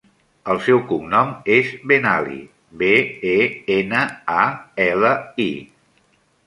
El seu cognom és Benali: be, e, ena, a, ela, i.